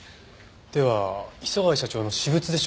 では磯貝社長の私物でしょうか？